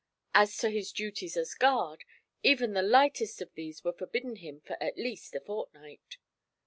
As to his duties as guard, even the lightest of these were forbidden him for at least a fortnight.